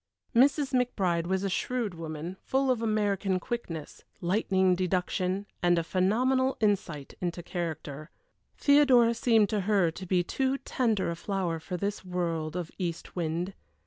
Mrs. McBride was a shrewd woman, full of American quickness, lightning deduction, and a phenomenal insight into character. Theodora seemed to her to be too tender a flower for this world of east wind.